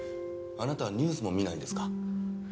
あなたはニュースも見ないんですか？